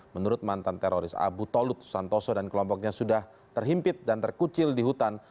menurut mantan teroris abu tolut santoso dan kelompoknya sudah terhimpit dan terkucil di hutan